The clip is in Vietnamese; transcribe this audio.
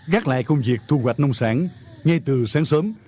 gác lại công việc thu hoạch nông sản ngay từ sáng sớm